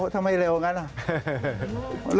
ทำไมเรวกันเลย